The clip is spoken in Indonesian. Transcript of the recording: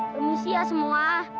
permisi ya semua